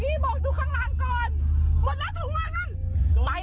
เลี่ยงพอตัวดิ